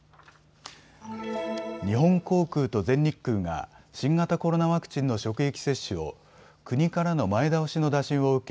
日本航空と全日空が新型コロナワクチンの職域接種を国からの前倒しの打診を受け